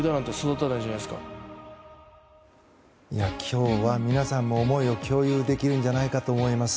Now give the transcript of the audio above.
今日は皆さんも思いを共有できるんじゃないかと思います。